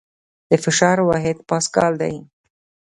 د فشار واحد پاسکال دی.